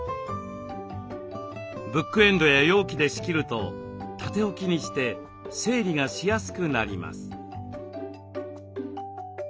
ブックエンドや容器で仕切ると縦置きにして整理がしやすくなります。